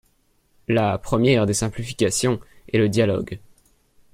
La première des simplifications est le dialogue.